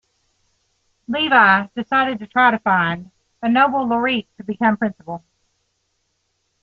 Levy decided to try to find a Nobel laureate to become principal.